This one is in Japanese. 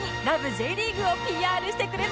Ｊ リーグ』を ＰＲ してくれました